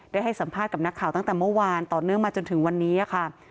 ให้สัมภาษณ์กับนักข่าวตั้งแต่เมื่อวานต่อเนื่องมาจนถึงวันนี้ค่ะ